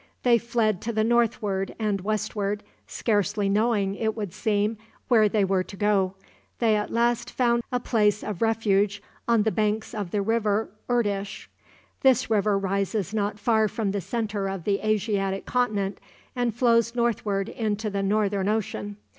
They fled to the northward and westward, scarcely knowing, it would seem, where they were to go. They at last found a place of refuge on the banks of the River Irtish. This river rises not far from the centre of the Asiatic continent, and flows northward into the Northern Ocean.